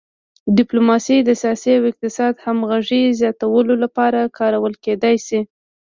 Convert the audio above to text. ډیپلوماسي د سیاسي او اقتصادي همغږۍ زیاتولو لپاره کارول کیدی شي